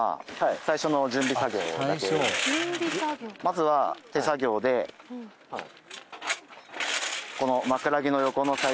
まずは手作業でこの。